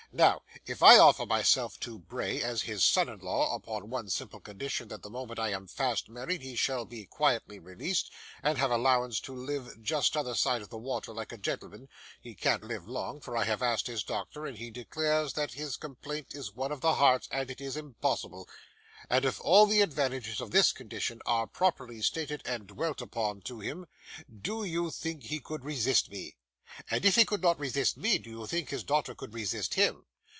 Now, if I offer myself to Bray as his son in law, upon one simple condition that the moment I am fast married he shall be quietly released, and have an allowance to live just t'other side the water like a gentleman (he can't live long, for I have asked his doctor, and he declares that his complaint is one of the Heart and it is impossible), and if all the advantages of this condition are properly stated and dwelt upon to him, do you think he could resist me? And if he could not resist ME, do you think his daughter could resist HIM?